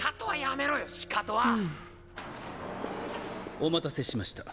お待たせしました。